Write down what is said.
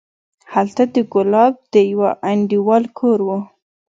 هلته د ګلاب د يوه انډيوال کور و.